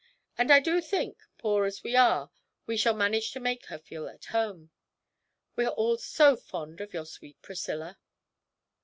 And I do think, poor as we are, we shall manage to make her feel at home. We are all so fond of your sweet Priscilla!'